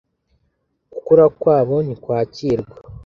gukura kwabo ntikwakirwa